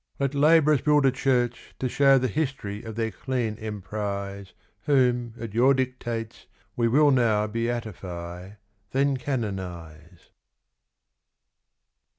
Let labourers build a church to shew The history of their clean emprise Whom, at your dictates, we will now Beatify, then canonise.